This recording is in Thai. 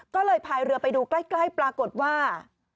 ก็เลยพายเรือไปดูใกล้ปรากฏว่า